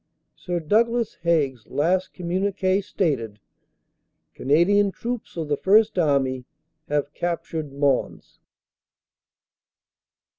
"Sir Douglais Haig s last communique stated, Canadian troops of the First Army have captured Mons.